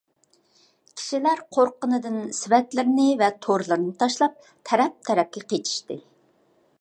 كىشىلەر قورققىنىدىن سېۋەتلىرىنى ۋە تورلىرىنى تاشلاپ تەرەپ - تەرەپكە قېچىشتى.